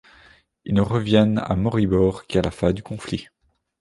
Ils ne reviennent à Maribor qu'à la fin du conflit.